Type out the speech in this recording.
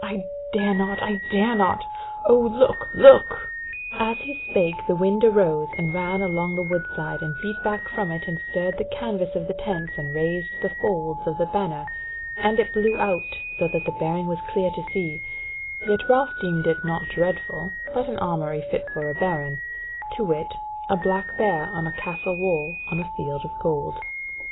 I dare not, I dare not! O look, look!" As he spake the wind arose and ran along the wood side, and beat back from it and stirred the canvas of the tents and raised the folds of the banner, and blew it out, so that the bearing was clear to see; yet Ralph deemed it naught dreadful, but an armoury fit for a baron, to wit, a black bear on a castle wall on a field of gold.